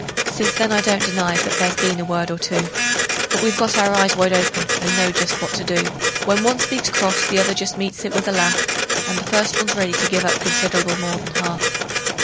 Since then I don't deny but there's been a word or two; But we've got our eyes wide open, and know just what to do: When one speaks cross the other just meets it with a laugh, And the first one's ready to give up considerable more than half.